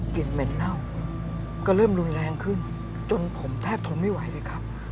กลิ่นเหม็นเน่าก็เริ่มรุนแรงขึ้นจนผมแทบทนไม่ไหวเลยครับ